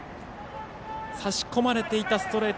差し込まれていたストレート。